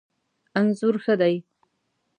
انځور ښه دی